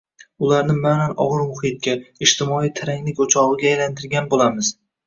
ularni ma’nan og‘ir muhitga, ijtimoiy taranglik o‘chog‘iga aylantirgan bo‘lamiz.